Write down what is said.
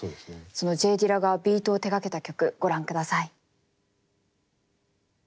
そのＪ・ディラがビートを手がけた曲ご覧ください。